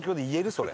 それ。